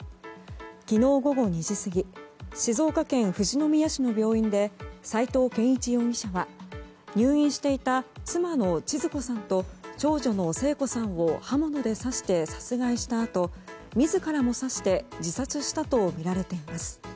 昨日午後２時過ぎ静岡県富士宮市の病院で齊藤謙一容疑者は入院していた妻のちづ子さんと長女の聖子さんを刃物で刺して殺害したあと自らも刺して自殺したとみられています。